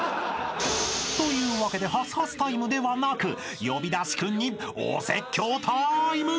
［というわけではすはすタイムではなく呼び出しクンにお説教タイム］